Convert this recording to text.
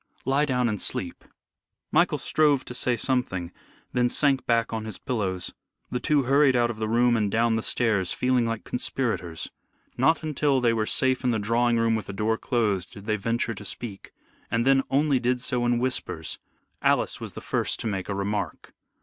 Lie down and sleep." Michael strove to say something, then sank back on his pillows. The two hurried out of the room and down the stairs feeling like conspirators. Not until they were safe in the drawing room with the door closed did they venture to speak, and then only did so in whispers. Alice was the first to make a remark.